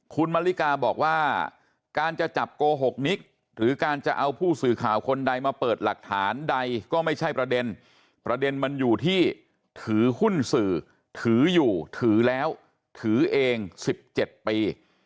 คุณมริกาบอกว่าการจะจับโกหกนิกหรือการจะเอาผู้สื่อข่าวคนใดมาเปิดหลักฐานใดก็ไม่ใช่ประเด็นประเด็นมันอยู่ที่ถือหุ้นสื่อถืออยู่ถือแล้วถือเอง๑๗ปี